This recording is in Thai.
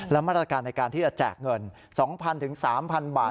และมาตรการในการที่จะแจกเงิน๒๐๐๐๓๐๐บาท